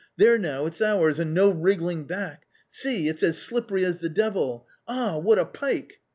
there now, it's ours, and no wriggling back. See, it's as slippery as the devil ! Ah, what a pike